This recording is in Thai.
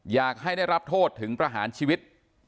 อยากให้ได้รับโทษถึงประหารชีวิต